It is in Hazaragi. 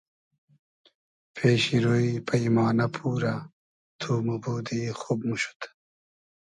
پېشی روی پݷمانۂ پورۂ تو موبودی خوب موشود